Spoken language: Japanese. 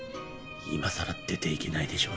いまさら出ていけないでしょうよ。